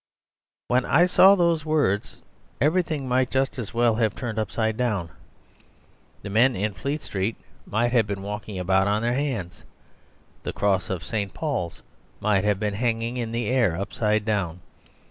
..... When I saw those words everything might just as well have turned upside down. The men in Fleet Street might have been walking about on their hands. The cross of St. Paul's might have been hanging in the air upside down.